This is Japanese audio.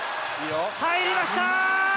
入りました。